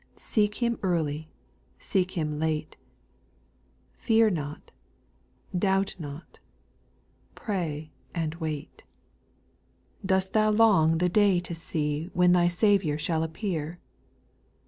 Seek Him early, seek Him late ; Fear not, doubt not —" Pray and wait" ( 868 SPIRITUAL SONGS. 5. Dost thou long the day to see, When thy Saviour shall appear